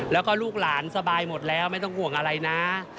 แล้วก็ลูกหลานสบายหมดแล้วไม่ต้องห่วงอะไรนะ